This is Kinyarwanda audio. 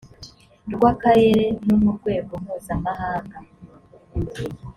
rw akarere no mu rwego mpuzamahanga